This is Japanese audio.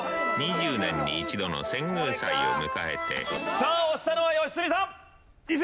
さあ押したのは良純さん。